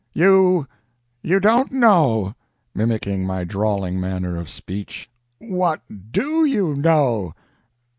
"'You you don't know,"' mimicking my drawling manner of speech. "What do you know?"